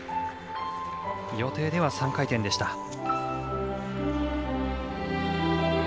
予定では３回転でした。